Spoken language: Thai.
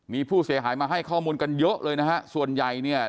มีผู้เสียหายมาให้ข้อมูลกันเยอะเลยนะฮะส่วนใหญ่เนี่ย